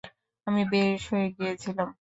আমি বেহুঁশ হয়ে গিয়েছিলাম।